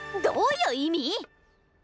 どういう意味⁉